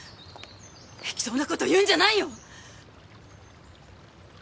適当なこと言うんじゃないよ！